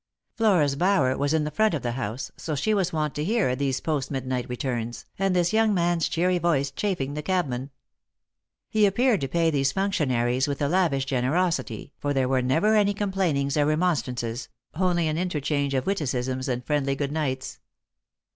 Flora's bower was in the front of the house, so she was wont to hear these post midnight returns, and this young man's cheery voice chaffing the cabmen. He appeared to pay these functionaries with a lavish generosity, for there were never any complainings or re monstrances, only an interchange of witticisms and friendly good nights.